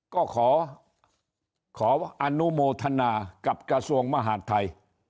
ก็ขออนุโมทนากับกระทรวงมหาดไทย